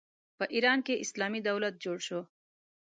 په ایران کې اسلامي دولت جوړ شو.